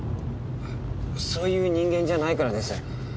そういう人間じゃないからです。